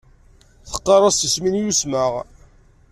Teqqar-as d tismin i usmeɣ.